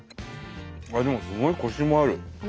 でもすごいコシもある。